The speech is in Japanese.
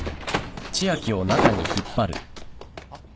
あっ？